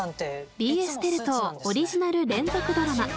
ＢＳテレ東オリジナル連続ドラマ。